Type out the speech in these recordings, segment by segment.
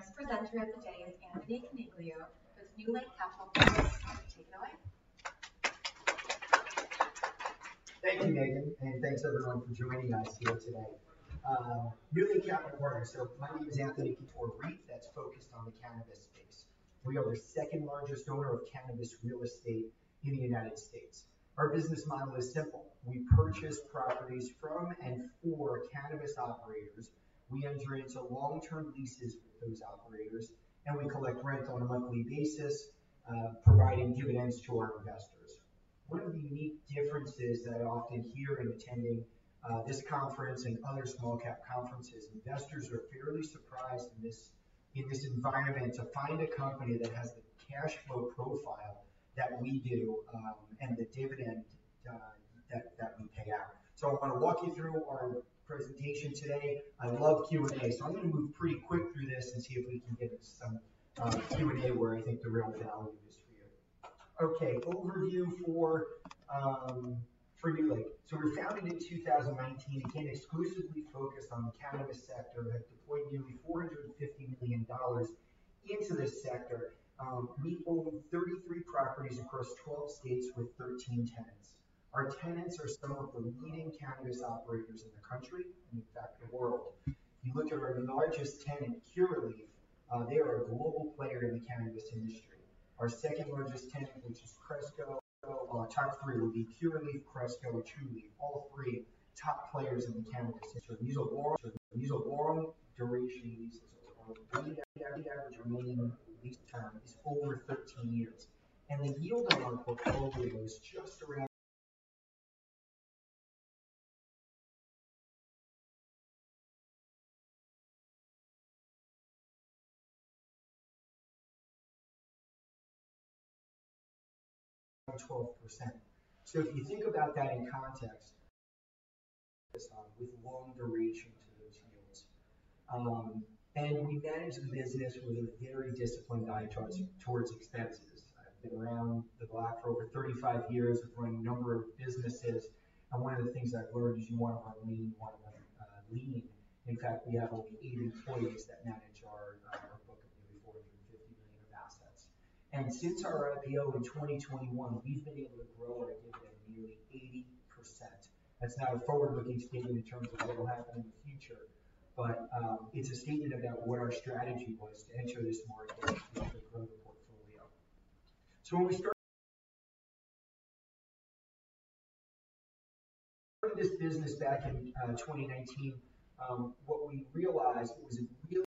Thank you. Our next presenter of the day is Anthony Coniglio, with NewLake Capital [Partners.] Thanks everyone for joining us here today. NewLake Capital Partners is a [money-manipulative] REIT that's focused on the cannabis space. We are the second-largest owner of cannabis real estate in the United States. Our business model is simple: we purchase properties from and for cannabis operators, we enter into long-term leases with those operators, and we collect rent on a monthly basis, providing dividends to our investors. One of the unique differences that I often hear in attending this conference and other small-cap conferences is investors are fairly surprised in this environment to find a company that has the cash flow profile that we do and the dividend that we pay out. I'm going to walk you through our presentation today. I love Q&A, so I'm going to move pretty quick through this and see if we can get some Q&A where I think the real value is for you. Okay, overview for NewLake. We founded in 2019, became exclusively focused on the cannabis sector, and at the point before doing $50 million into this sector, we own 33 properties across 12 states with 13 tenants. Our tenants are still the leading cannabis operators in the country and in the world. You look at our largest tenant, Curaleaf, they are a global player in the cannabis industry. Our second-largest tenant, which is Cresco, our top three would be Curaleaf, Cresco, and Trulieve, all three top players in the cannabis industry. We have a long duration of leases, so we're going to be adding out a duration of lease time is over 13 years. The yield on our portfolio is just around 12%. If you think about that in context, with long duration of leases, and we manage the business with a very disciplined mind towards expenses. I've been around the block for over 35 years, running a number of businesses, and one of the things I've learned is you want to have a lean one. In fact, we have only eight employees that manage our book of nearly $450 million of assets. Since our IPO in 2021, we've been able to grow our dividend nearly 80%. That's not a forward-looking statement in terms of what will happen in the future, but it's a statement about what our strategy was to enter this more in-depth into the growth portfolio. When we started this business back in 2019, what we realized was important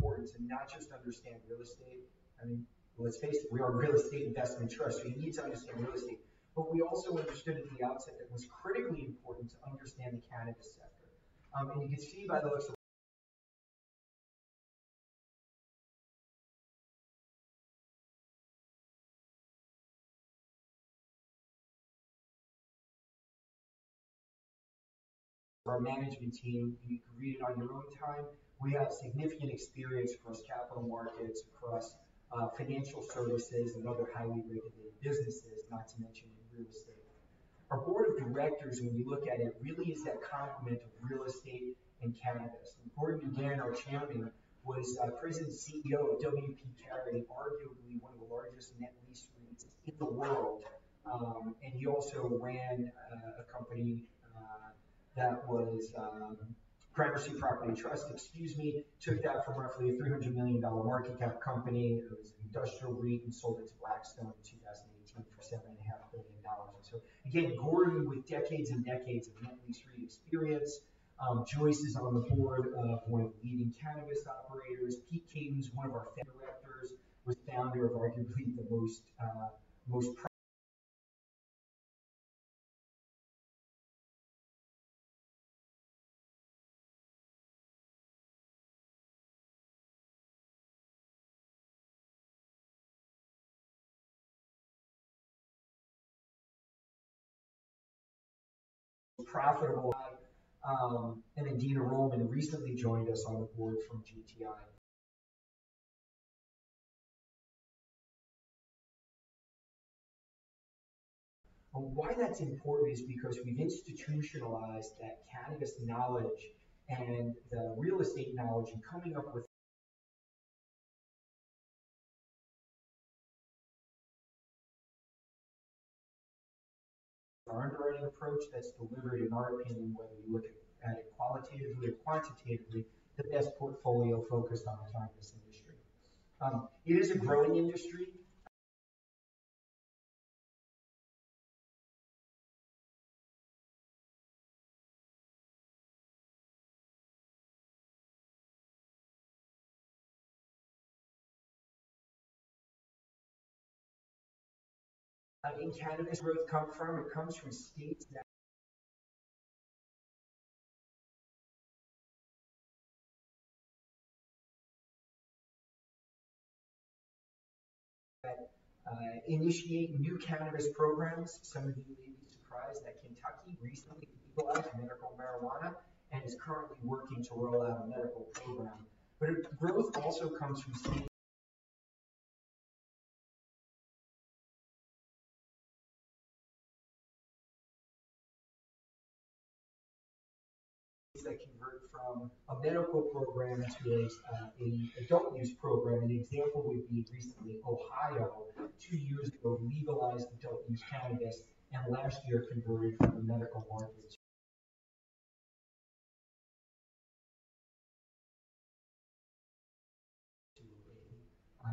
to not just understand real estate. I mean, let's face it, we are real estate investment trusts. We need to understand real estate, but we also understood at the outset it was critically important to understand the cannabis sector. And you can see by the looks of our management team, we are known time. We have significant experience across capital markets, across financial services, and other highly regulated businesses, not to mention real estate. Our board of directors, when you look at it, really is a complement of real estate and cannabis. Gordon DuGan, our Chairman, was a present CEO of W. P. Carey, arguably one of the largest net lease REITs in the world. He also ran a company that was Privacy Property Trust, excuse me, took out from roughly a $300 million market cap company. It was an industrial REIT and sold it to Blackstone in 2018 for $7.5 billion. Gordon, with decades and decades of non-industry experience, choices on the board of leading cannabis operators. [Pete Catens], one of our [founders], was founder of arguably the most [profitable]. And then Dina Roman recently joined us on the board from GTI. Why that's important is because we institutionalized that cannabis knowledge and then the real estate knowledge and coming up with our approach that's delivered, in my opinion, when you look at it qualitatively or quantitatively, the best portfolio focused on the cannabis industry. It is a growing industry. I think cannabis growth comes from states that initiate new cannabis programs. Some of you may be surprised that Kentucky recently passed it for marijuana and is currently working to roll out a medical program. Growth also comes from states that convert from a medical program to an adult-use program. An example would be recently Ohio, two years ago, legalized the adult-use cannabis and last year converted on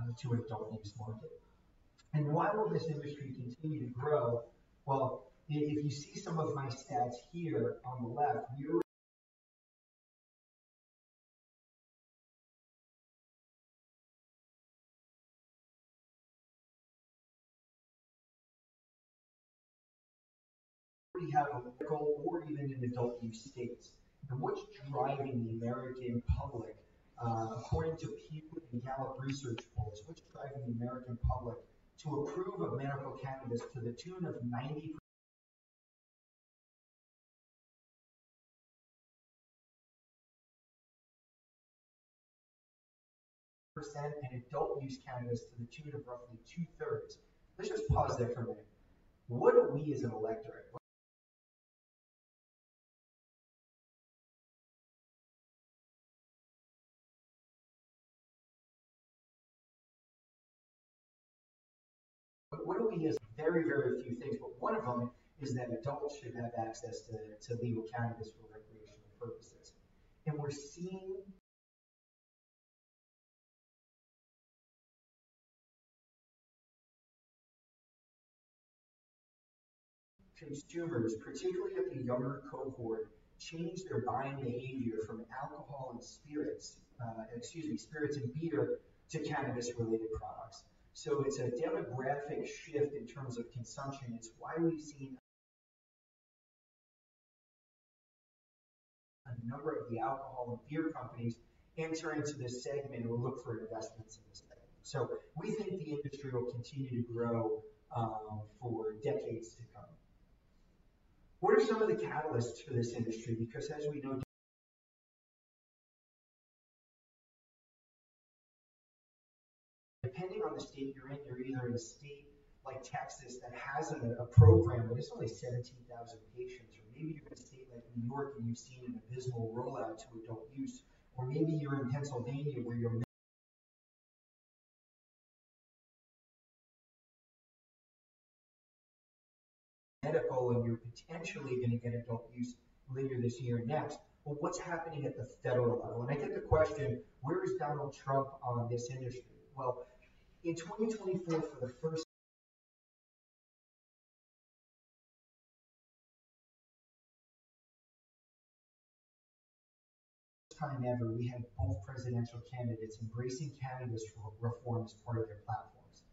the joint adult-use market. As this industry continues to grow, if you see some of my stats here on the left, we have a goal or even in the adult-use states. What's driving the American public, according to people in Gallup research polls, what's driving the American public to approve of medical cannabis to the tune of [94%] and adult-use cannabis to the tune of roughly two-thirds? This is positive for me. What we as an electorate will be is very, very few things. One thing is that adults should have access to legal cannabis for recreational purposes. We're seeing consumers, particularly of the younger cohort, change their buying behavior from alcohol and spirits, excuse me, spirits and beer, to cannabis-related products. It's a demographic shift in terms of consumption. It's why we've seen a number of the alcohol and beer companies entering into this segment and look for investments. We think the industry will continue to grow for decades to come. What are some of the catalysts for this industry? Because then we know, depending on the state you're in, you're either in a state like Texas that has a program, but it's only 17,000 patients, or maybe even a state like New York and you've seen an abysmal rollout to adult use, or maybe you're in Pennsylvania where you're medical, and you're potentially going to get adult use later this year or next. What's happening at the federal level? I think the question, where is Donald Trump on this industry? In 2024, for the first time ever, we had both presidential candidates embracing cannabis reforms for their platforms.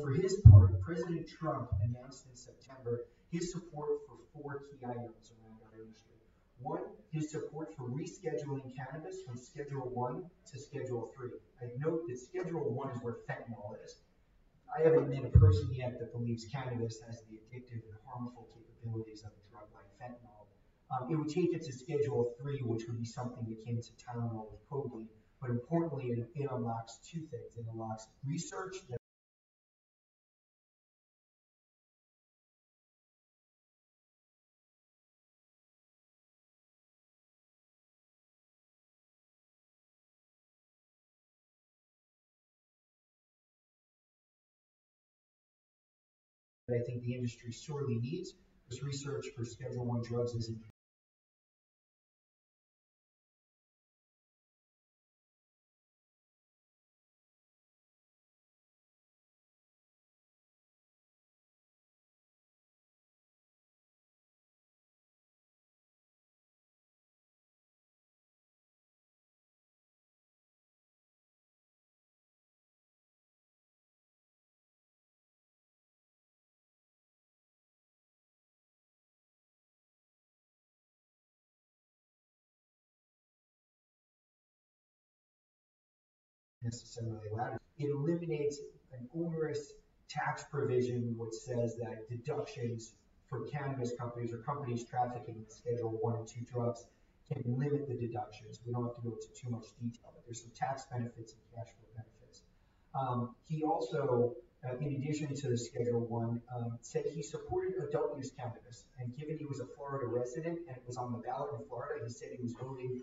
For his part, President Trump announced in September his support for four key items around that industry. One, his support for rescheduling cannabis from Schedule I to Schedule III. I note that Schedule I is where fentanyl is. I have not met a person yet that believes cannabis has the addictive and harmful capabilities of a drug like fentanyl. It would take it to Schedule III, which would be something akin to Tylenol with codeine. Importantly, it unlocks two things. It unlocks research. I think the industry surely needs this research for Schedule I drugs in a similar way. It eliminates an onerous tax provision which says that deductions for cannabis companies or companies trafficking Schedule I and II drugs can be limited deductions. We do not have to go into too much detail, but there are some tax benefits and cash benefits. He also, in addition to the Schedule I, said he supported adult use cannabis. Given he was a Florida resident and was on the ballot in Florida, he said he was voting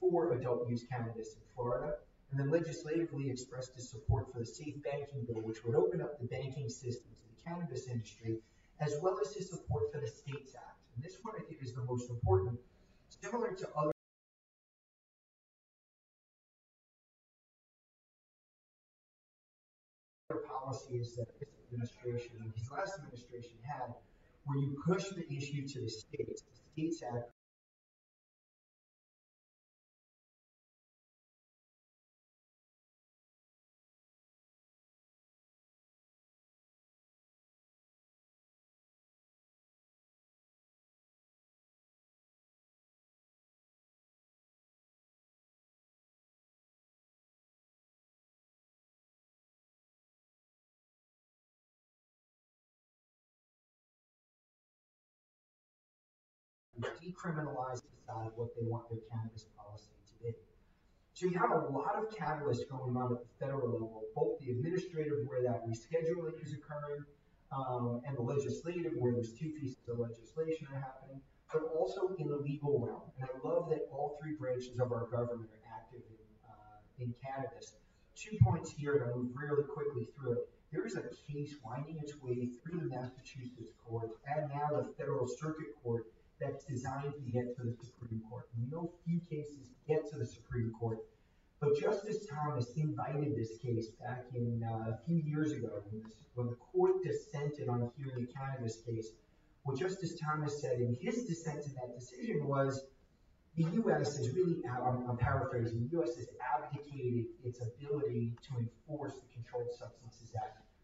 for adult use cannabis in Florida, and legislatively expressed his support for the Safe [Banking] Bill, which would open up the banking system to the cannabis industry, as well as his support for the STATES Act. This one, I think, is the most important. Similar to other policies in this administration, in his last administration now, where he pushed the issue to the STATES Act. Decriminalize the fact that they want the cannabis policy to be. You have a lot of catalysts going on at the federal level, both the administrative where that rescheduling is occurring and the legislative where these two pieces of legislation are happening, but also in the legal realm. I love that all three branches of our government are active in cannabis. Two points here that I'll move really quickly through. There is a case winding its way through the Massachusetts Court and now a federal circuit court that's designed to get to the Supreme Court. Few cases get to the Supreme Court. Justice Thomas invited this case back a few years ago when the court dissented on the human cannabis case, where Justice Thomas said in his dissent that that decision was the U.S. is really, I'm paraphrasing, the U.S. has abdicated its ability to enforce the control of substances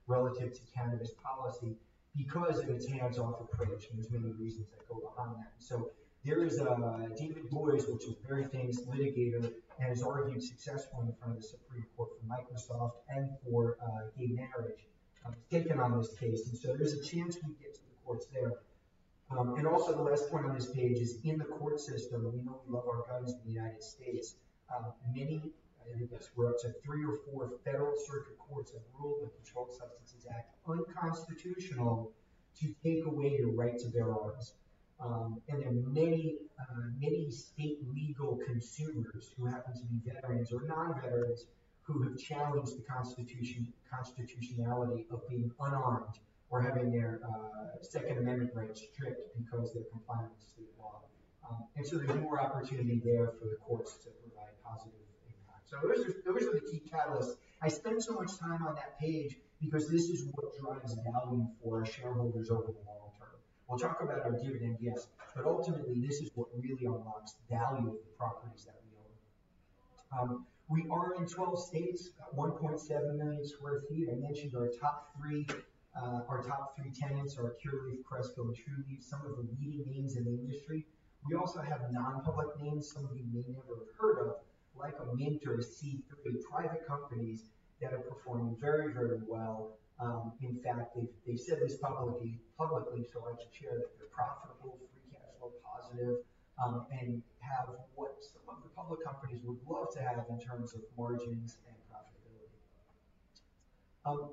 relative to cannabis policy because it's hands-off approach and there's many reasons that go along that. There is David Boies, a very famous litigator, and has argued successfully in front of the Supreme Court for Microsoft and for a merit taking on those cases. There is a chance he gets supports there. The last point on this page is in the court system, and we don't love our cousins in the United States. Many—I think that's where up to three or four federal circuit courts have ruled the Controlled Substances Act unconstitutional to take away the right to their arms. Many, many state legal consumers who happen to be veterans or non-veterans who have challenged the constitutionality of being unarmed or having their Second Amendment rights stripped because they're compliant with state law. There is more opportunity there for the courts to provide positive impact. Those are the key catalysts. I spent so much time on that page because this is what drives value for shareholders over the long term. I'll talk about our dividend, yes, but ultimately this is what really unlocks value of the properties that we own. We are in 12 states, about 1.7 million sq ft I mentioned our top three tenants are Curaleaf, Cresco, and Trulieve, some of the leading names in the industry. We also have a non-public name, somebody you may never have heard of, like a mentor to see the private companies that are performing very, very well. In fact, they've said this publicly, so I can share that they're profitable, free cash flow positive, and have what some of the public companies would love to have in terms of margins and profitability.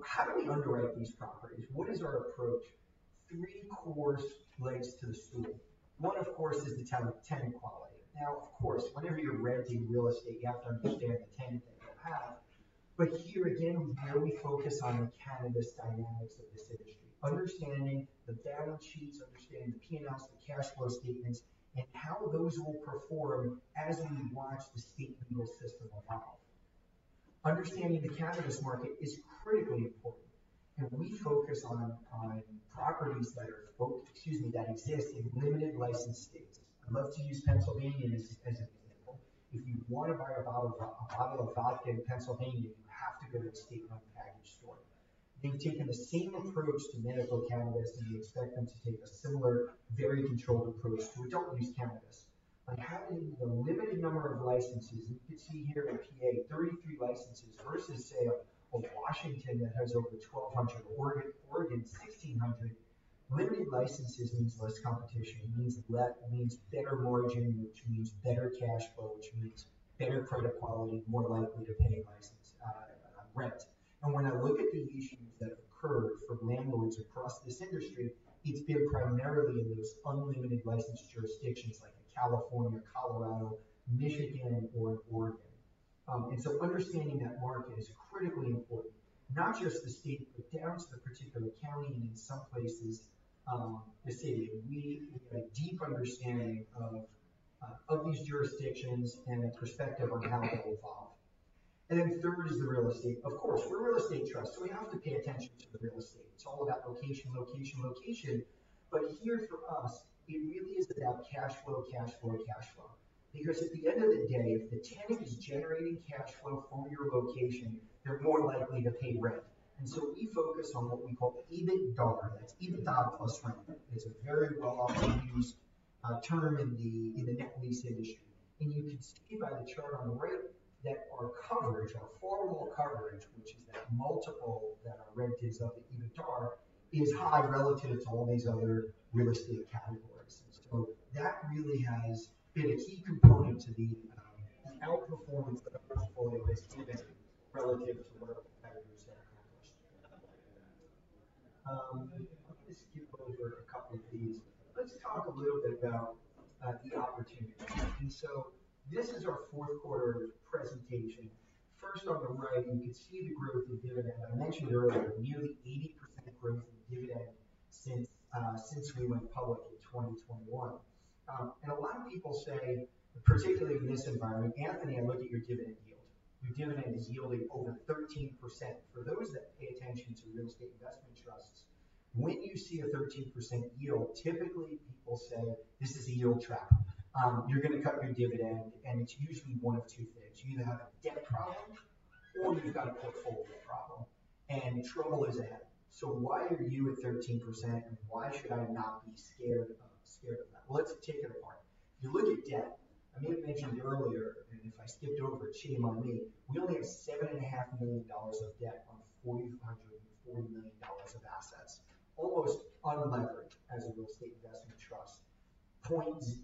How do we underwrite these properties? What is our approach? Three cores relates to the stool. One, of course, is the tenant quality. Now, of course, whenever you're renting real estate, you have to understand the tenant that you have. Here again, I only focus on the cannabis dynamics of this industry. Understanding the balance sheets, understanding the P&Ls, the cash flow statements, and how those will perform as we watch the state and the whole system evolve. Understanding the cannabis market is critically important. We focus on properties that, excuse me, that exist in limited license states. I'd love to use Pennsylvania as an example. If you want to buy a bottle of vodka in Pennsylvania, you have to go to the state-owned package store. They've taken the same approach to medical cannabis, and we expect them to take a similar, very controlled approach to adult use cannabis. Having the limited number of licenses, you could see here on PA, 33 licenses versus, say, a Washington that has over 1,200, Oregon 1,600. Limited licenses means less competition. It means better margin, which means better cash flow, which means better credit quality, more likely to pay rent. When I look at the issues that occur for landlords across this industry, it's been primarily in those unlimited license jurisdictions like California, Colorado, Michigan, or Oregon. Understanding that market is critically important, not just the state, but down to the particular county and in some places, the city. We need a deep understanding of these jurisdictions and a perspective on how they will follow. Third is the real estate. Of course, we're a real estate trust, so we have to pay attention to the real estate. It's all about location, location, location. Here for us, it really is about cash flow, cash flow, cash flow. Because at the end of the day, if the tenant is generating cash flow from your location, they're more likely to pay rent. We focus on what we call EBITDA. That's EBITDA plus rent. It's a very well-off term in the industry. You can see by the chart on the right that our coverage, our formal coverage, which is that multiple that our rent is of the EBITDA, is high relative to all these other real estate categories. That really has been a key component to the outperformance of the portfolio with [EBIT] relative to what providers have in the past. Let's skip over a couple of these. Let's talk a little bit about these opportunities. This is our fourth quarter presentation. First on the right, you can see the growth in dividend. I want you to know we're nearly 80% increase in dividend since we went public in 2021. A lot of people say, particularly in this environment, Anthony, I look at your dividend yield. Your dividend is yielding over 13%. For those that pay attention to real estate investment trusts, when you see a 13% yield, typically people say, "This is a yield trap. You're going to cover your dividend, and it's usually one of two things. You're going to have a debt problem, or you're going to put hold of the problem. The trouble is ahead. Why are you at 13%, and why should I not be scared of that? Let's take it along. If you look at debt, I may have mentioned earlier, and if I skipped over, shame on me, we only have $7.5 million of debt on $454 million of assets. Almost unlevered as a real estate investment trust. 0.2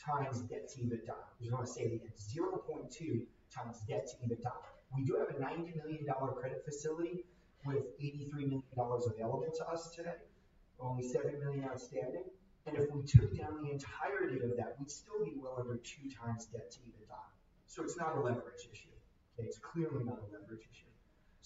times debt to EBITDA. You're not saying that. 0.2 times debt to EBITDA. We do have a $90 million credit facility with $83 million available to us today, only $7 million outstanding. If we took down the entirety of that, we'd still be well under two times debt to EBITDA. It's not a leverage issue. It's clearly not a leverage issue.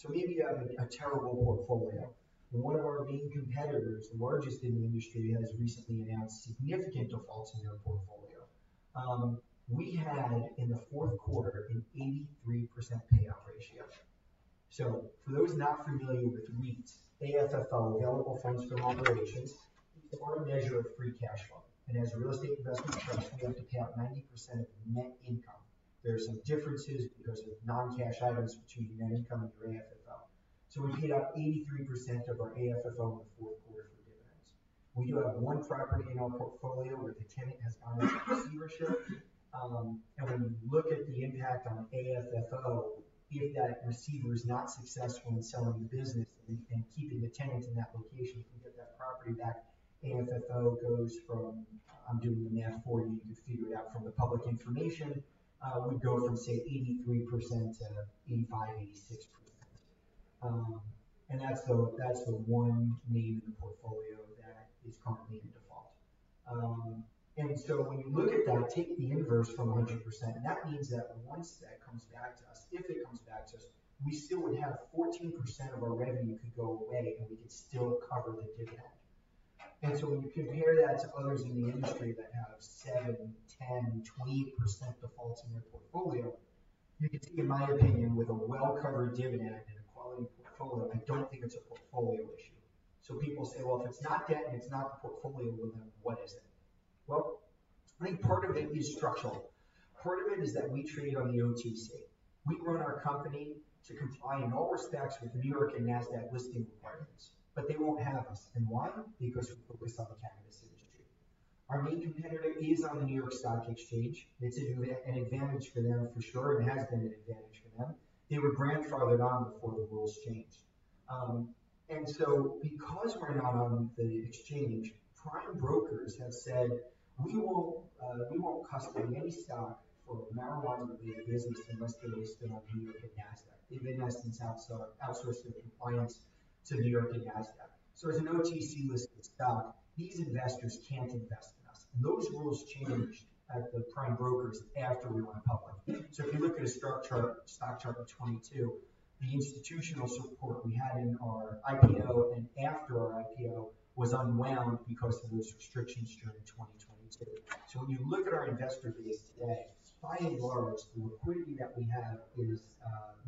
Maybe you have a terrible portfolio. One of our main competitors, the largest in the industry, has recently been in significant defaults in their portfolio. We had, in the fourth quarter, an 83% payout ratio. For those not familiar with REITs, AFFO, Adjusted Funds from Operations, is our measure of free cash flow. As a real estate investment trust, we like to count 90% of net income. There are some differences because of non-cash items between net income and AFFO. We have hit up 83% of our AFFO in the fourth quarter for dividends. We do have one property in our portfolio where the tenant has gone for receivership. When you look at the impact on AFFO, if that receiver is not successful in selling the business and keeping the tenant in that location, if we get that property back, AFFO goes from, I'm doing the math for you, you can figure it out from the public information, we go from, say, 83% to 85-86%. That is the one name in the portfolio that is probably going to default. When you look at the inverse from 100%, that means that once that comes back to us, if it comes back to us, we still would have 14% of our revenue could go away, and we could still cover the dividend. When you compare that to others in the industry that have 7%, 10%, 20% defaults in their portfolio, you could see, in my opinion, with a well-covered dividend and a quality portfolio, I do not think it is a portfolio issue. People say, "If it is not debt and it is not a portfolio, then what is it?" I think part of it is structural. Part of it is that we trade on the MTC. We run our company to comply in all respects with New York and NASDAQ listing requirements, but they will not have us. Why? Because we are focused on the cannabis industry. Our main competitor is on the New York Stock Exchange. It is an advantage for them for sure, and has been an advantage for them. They were grandfathered on before the rules changed. Because we're not on the exchange, private brokers have said, "We won't custody any stock for marijuana to be a business unless they list them up in New York and NASDAQ." They've been using outsourcing compliance to New York and NASDAQ. There's no easy list of stock. These investors can't invest in us. Those rules changed at the prime brokers after we went public. If you look at Stock Chart of 2022, the institutional support we had in our IPO and after our IPO was unwound because of those restrictions during 2022. When you look at our investor base today, by and large, the liquidity that we have is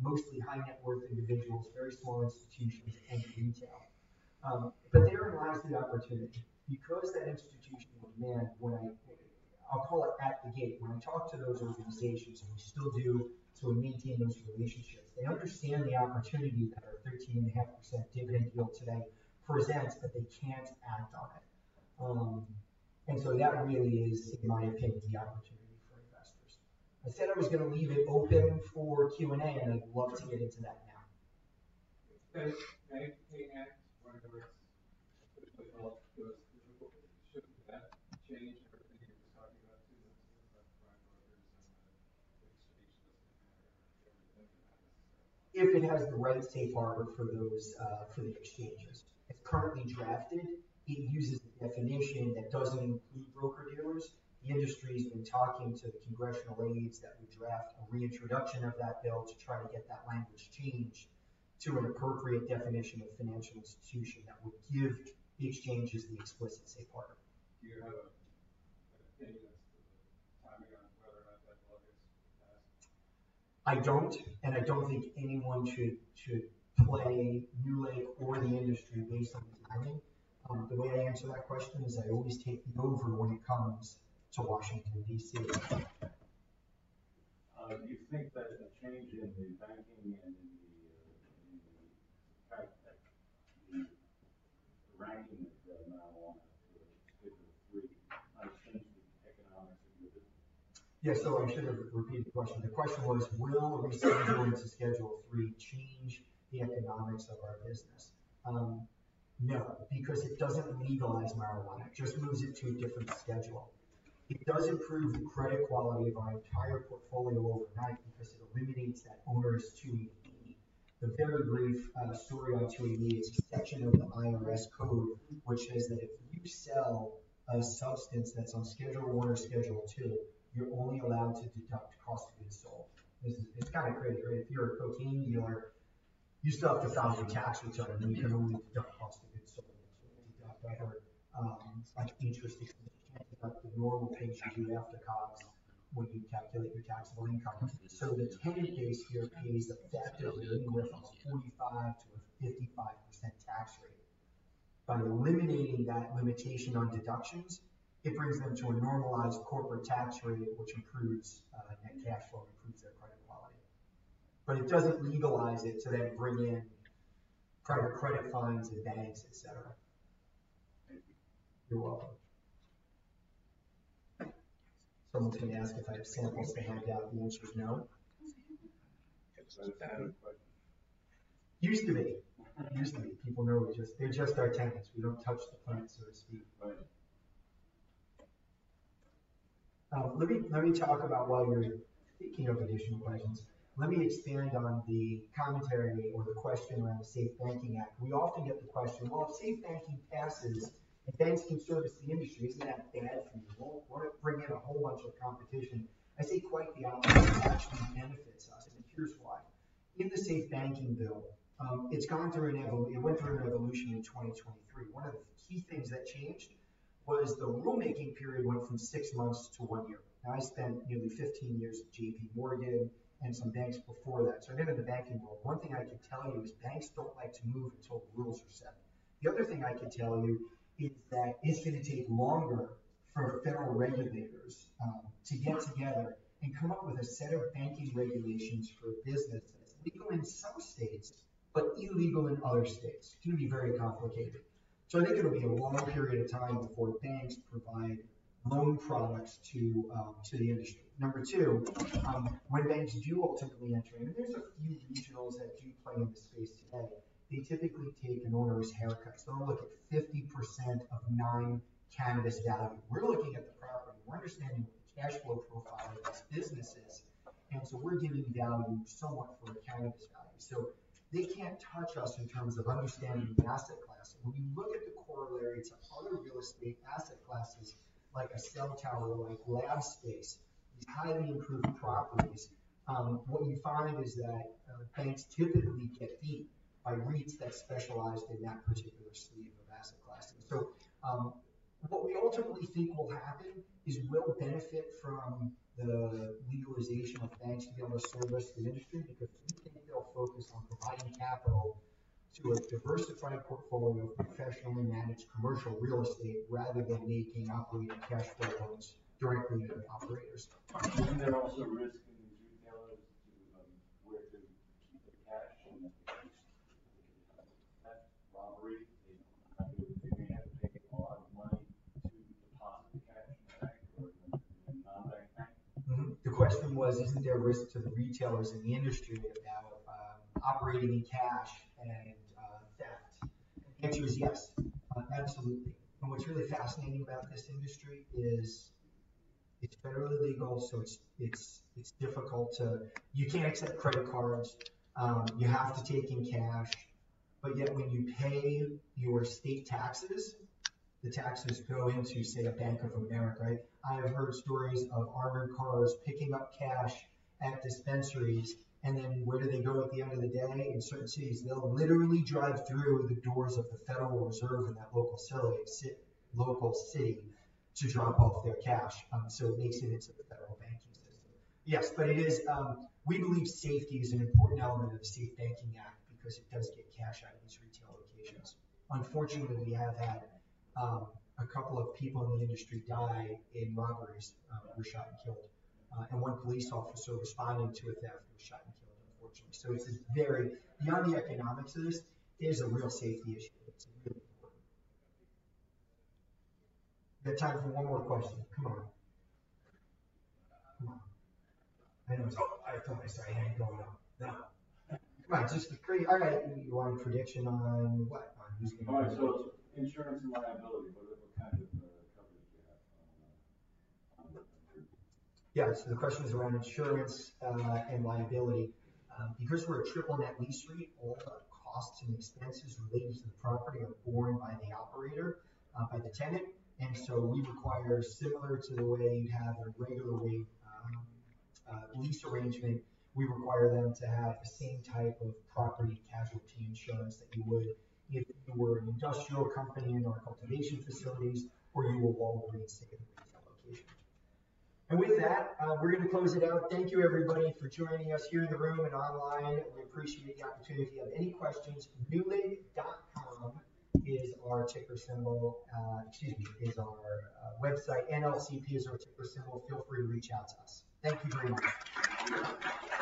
mostly high-net-worth individuals, very small institutions, and retail. They are in the last opportunity. Because that institution was, I'll call it at the gate, when we talk to those organizations, and we still do, to maintain those relationships, they understand the opportunity. 13.5% dividend yield today for events, but they can't act on it. That really is, in my opinion, the opportunity for investors. I said I was going to leave it open for Q&A, and I'd love to get into that now. If it has the right safe harbor for those for the exchanges. It's currently drafted. It uses a definition that doesn't meet broker dealers. The industry has been talking to the Congressional Leaves that would draft a reintroduction of that bill to try to get that language changed to an appropriate definition of financial institution that would give the exchanges the explicit safe harbor. Do you have a— I don't, and I don't think anyone should play NewLake or the industry based on its value. The way I answer that question is I always take the over when it comes to Washington, D.C. You think that the change in the banking and in the—Yes I should have repeated the question. The question was, will receiving going to Schedule III change the economics of our business? No, because it doesn't legalize marijuana. It just moves it to a different schedule. It does improve the credit quality of our entire portfolio overnight because it eliminates that owner's 280E. I'm fairly brief on the story on 280E. It's a section of the IRS code which says that if you sell a substance that's on Schedule I or Schedule II, you're only allowed to deduct cost of goods sold. It's kind of crazy. If you're a cocaine dealer, you stop the size of the axe, which I mean, you can only deduct cost of install. You have to come up with intangible income. The penny case here is effectively a 45%-55% tax rate. By eliminating that limitation on deductions, it brings them to a normalized corporate tax rate, which improves net cash flow and improves their credit quality. It does not legalize it to then bring in credit funds, events, etc. You're welcome. Someone's going to ask if I have samples to hang out. The answer is no. Use the V. Use the V. People know it. They're just our tenants. We do not touch the funds, so to speak. Let me talk about, while you're speaking of additional questions, let me expand on the commentary or the question around the Safe [Banking] Act. We often get the question, "Well, if safe banking passes, if banks can service the industry, isn't that bad for the role? Would it bring in a whole bunch of competition?" I say quite the opposite. That is what benefits us. Here is why. In the safe banking bill, it has gone through an evolution. It went through an evolution in 2023. One of the key things that changed was the rulemaking period went from six months to one year. I spent nearly 15 years at JPMorgan and some banks before that. I have been in the banking world. One thing I can tell you is banks do not like to move until the rules are set. The other thing I can tell you is that it is going to take longer for federal regulators to get together and come up with a set of banking regulations for businesses. Legal in some states, but illegal in other states. It can be very complicated. I think it'll be a long period of time before banks provide loan products to the industry. Number two, when banks do ultimately enter, and there's a few regionals that do play in the space today, they typically take an owner's haircut. I'm looking at 50% of nine cannabis value. We're looking at the problem. We're understanding cash flow profile of these businesses. We're giving them somewhat for cannabis value. They can't touch us in terms of understanding the asset class. When you look at the corollary to other real estate asset classes, like a sell town or a glass space, and highly improved properties, what you find is that banks typically get beat by REITs that specialize in that particular sleeve of asset classes. What we ultimately think will happen is we'll benefit from the legalization of funds to be on the store listed industry because they'll focus on providing capital through a diversified portfolio of professionally managed commercial real estate rather than an [18-upgrade cash flow] during creative operators. Isn't there also risk in retailers? The question was, isn't there risk to the retailers in the industry operating in cash and that? The answer is yes, absolutely. What's really fascinating about this industry is it's fairly legal, so it's difficult to—you can't accept credit cards. You have to take in cash. Yet when you pay your state taxes, the taxes go unless you say the Bank of America, right? I have heard stories of armored cars picking up cash at dispensaries. Then where do they go at the end of the day? In certain cities, they'll literally drive through the doors of the Federal Reserve in that local city to drop off their cash. It leads into the federal banking system. Yes, but it is—we believe safety is an important element of the Safe Banking Act because it does get cash out of these retail locations. Unfortunately, we have had a couple of people in the industry die in robberies who were shot and killed. One police officer responding to a theft was shot and killed, unfortunately. It is just very—beyond the economics of this, it is a real safety issue. The time for one more question. Come on. Come on. I know it's all—I'm so sorry. I don't know. Come on. Just a pretty—I don't have any long prediction on these companies. All right. Insurance and liability. Yes. The question is around insurance and liability. Because we're a triple-net lease, all the costs and expenses related to the property are borne by the operator, by the tenant. We require, similar to the way you have a regular lease arrangement, we require them to have the same type of property casualty insurance that you would if you were an industrial company in our cultivation facilities, or you were a REIT sitting in a retail location. With that, we're going to close it out. Thank you, everybody, for joining us here in the room and online. We appreciate the opportunity. If you have any questions, newlake.com is our website. NLCP is our ticker symbol. Feel free to reach out to us. Thank you very much.